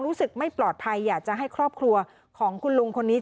รู้สึกไม่ปลอดภัยอยากจะให้ครอบครัวของคุณลุงคนนี้